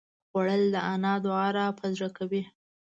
خوړل د انا دعا راپه زړه کوي